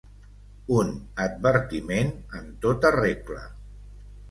Un advertiment en tota regla.